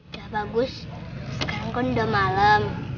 sudah bagus sekarang kan sudah malam